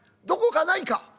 どこかないか」。